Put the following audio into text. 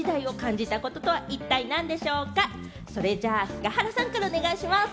それじゃあ、菅原さんからお願いします。